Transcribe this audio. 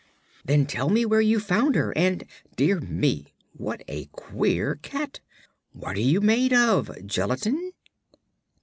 "Then tell me where you found her, and Dear me, what a queer cat! What are you made of gelatine?"